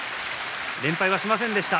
連敗はしませんでした。